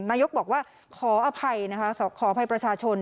นายกบอกว่าขออภัยนะคะขออภัยประชาชน